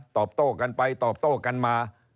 ตอบโต้กันไปตอบโต้กันมา